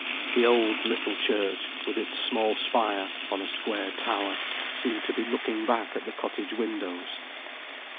The old, little church, with its small spire on a square tower, seemed to be looking back at the cottage windows.